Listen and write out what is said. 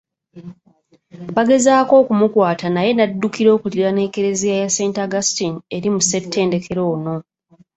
Bagezaako okumukwata naye naddukira okuliraana Ekereziya ya St Augustine eri mu ssettendekero ono.